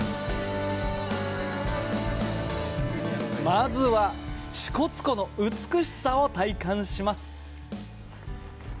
まずは、支笏湖の美しさを体感します！